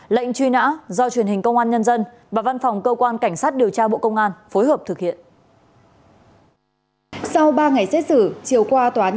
lệnh truy nã do truyền hình công an nhân dân và văn phòng cơ quan cảnh sát điều tra bộ công an phối hợp thực hiện